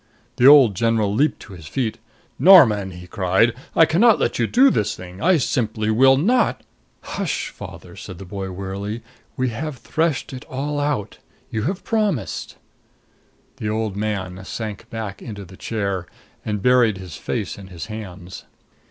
The old general leaped to his feet. "Norman," he cried, "I can not let you do this thing! I simply will not " "Hush, father," said the boy wearily. "We have threshed it all out. You have promised " The old man sank back into the chair and buried his face in his hands.